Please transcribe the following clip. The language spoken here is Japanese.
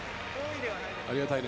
ありがたいね。